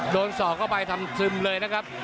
สอกเข้าไปทำซึมเลยนะครับ